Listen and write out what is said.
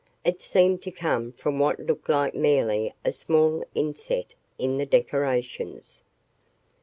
It seemed to come from what looked like merely a small inset in the decorations.